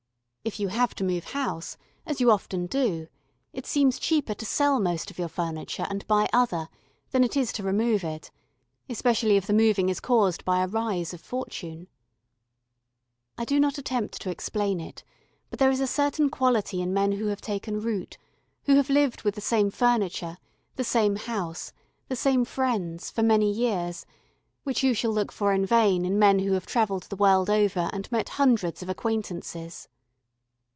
If you have to move house, as you often do, it seems cheaper to sell most of your furniture and buy other, than it is to remove it, especially if the moving is caused by a rise of fortune. [Illustration: FURNITURE TO LIVE WITH.] I do not attempt to explain it, but there is a certain quality in men who have taken root, who have lived with the same furniture, the same house, the same friends for many years, which you shall look for in vain in men who have travelled the world over and met hundreds of acquaintances.